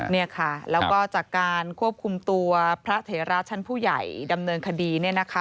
นี่ค่ะแล้วก็จากการควบคุมตัวพระเถระชั้นผู้ใหญ่ดำเนินคดี